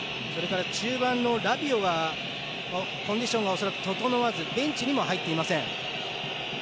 中盤のラビオはコンディションが恐らく整わずベンチにすら入っていません。